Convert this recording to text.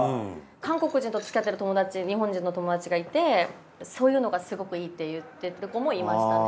韓国人とつきあってる日本人の友達がいてそういうのがすごくいいって言ってる子もいましたね。